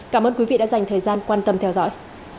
cảm ơn quý vị đã dành thời gian quan tâm theo dõi